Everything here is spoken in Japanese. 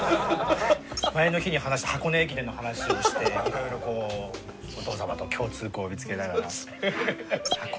前の日に話した箱根駅伝の話をして色々こうお父さまと共通項を見つけながら。